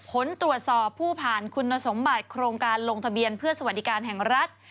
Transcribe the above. ผลตรวจสอบผู้ผ่านคุณสมบัติโครงการลงทะเบียนเพื่อสวัสดิการแห่งรัฐ